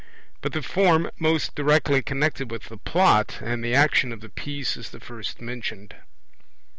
But the form most directly connected with the Plot and the action of the piece is the first mentioned.